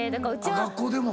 学校でも？